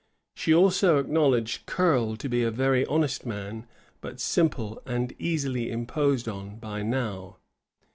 She also acknowledged Curle to be a very honest man, but simple and easily imposed on by Nau.